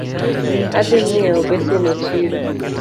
Adhi nyieo basin e chiro